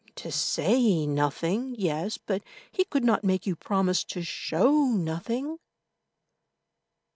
"To say nothing—yes, but he could not make you promise to show nothing."